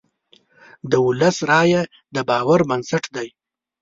د ولس رایه د باور بنسټ دی.